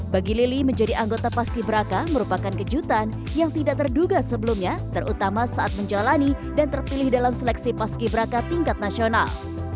bagi lili menjadi anggota paski braka merupakan kejutan yang tidak terduga sebelumnya terutama saat menjalani dan terpilih dalam seleksi paski braka tingkat nasional